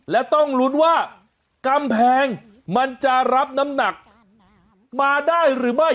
และต้องลุ้นว่ากำแพงมันจะรับน้ำหนักมาได้หรือไม่